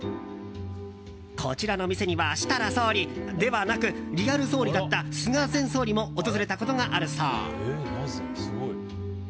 こちらの店には設楽総理ではなくリアル総理だった菅前総理も訪れたことがあるそう。